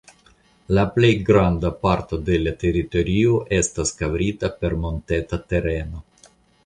La plej granda parto de la teritorio estas kovrita per monteta tereno.